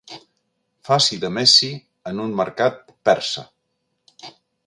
Faci de Messi en un mercat persa.